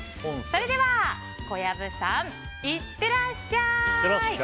それでは、小籔さんいってらっしゃい！